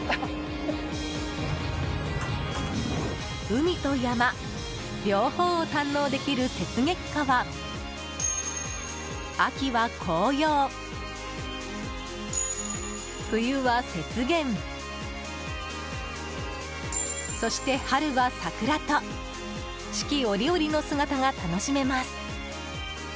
海と山、両方を堪能できる「雪月花」は秋は紅葉、冬は雪原そして春は桜と四季折々の姿が楽しめます。